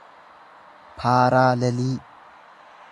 paaraalelii